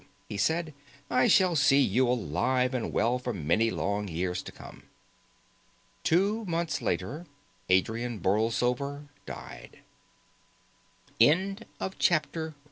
he said, "I shall see you alive and well for many long years to come." Two months later Adrian Borlsover died. II Eustace Borlsover was i